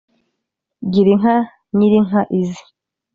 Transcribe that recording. gira inka nyirinka izi